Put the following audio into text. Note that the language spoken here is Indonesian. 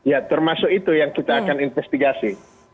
ya termasuk itu yang kita akan investigasi